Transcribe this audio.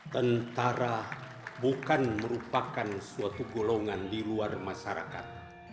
tentara bukan merupakan suatu golongan di luar masyarakat